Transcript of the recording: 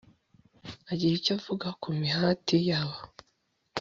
agira icyo avuga ku mihati yabo